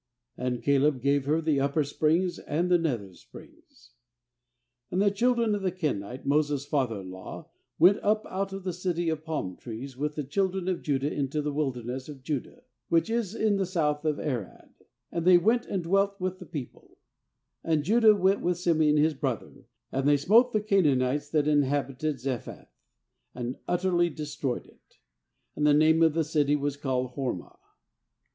And Caleb gave her the Upper Springs and the Nether Springs. 16And the children of the Kenite, Moses' father in law, went up out of the city of palm trees with the chil dren of Judah into the wilderness of Judah, which is in the south of Arad; and they went and dwelt with the people, 17And Judah went with Sim eon his brother, and they smote the Canaanites that inhabited Zephath, and utterly destroyed it. And the name of the city was called Hormah.